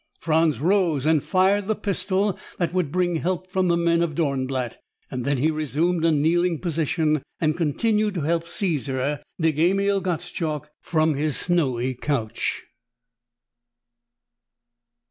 Franz rose and fired the pistol that would bring help from the men of Dornblatt. Then he resumed a kneeling position and continued to help Caesar dig Emil Gottschalk from his snowy couch.